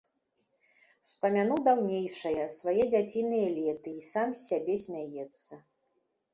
Успамянуў даўнейшае, свае дзяціныя леты й сам з сябе смяецца.